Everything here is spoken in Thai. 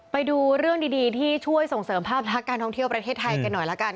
ไปดูเรื่องดีที่ช่วยส่งเสริมภาพลักษณ์การท่องเที่ยวประเทศไทยกันหน่อยละกัน